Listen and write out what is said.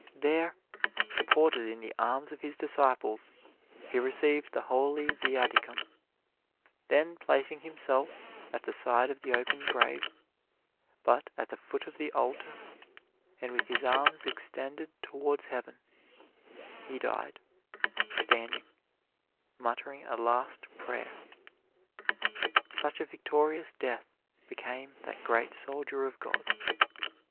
There, supported in the arms of his disciples, he received the holy Viaticum, then placing himself at the side of the open grave, but at the foot of the altar, and with his arms extended towards heaven, he died, standing, muttering a last prayer. Such a victorious death became that great soldier of God.